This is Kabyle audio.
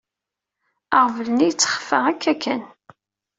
Aɣbel-nni yettexfa akka kan.